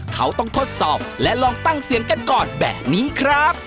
เขาต้องทดสอบและลองตั้งเสียงกันก่อนแบบนี้ครับ